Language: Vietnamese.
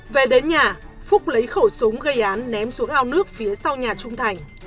về đến nhà phúc lấy khẩu súng gây án ném xuống ao nước phía sau nhà trung thành